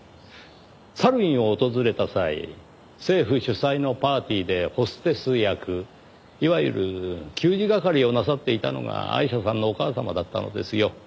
サルウィンを訪れた際政府主催のパーティーでホステス役いわゆる給仕係をなさっていたのがアイシャさんのお母様だったのですよ。